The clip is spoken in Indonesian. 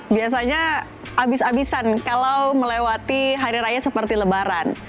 biasanya habis habisan kalau melewati hari raya seperti lebaran